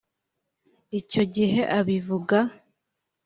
” Icyo gihe abivuga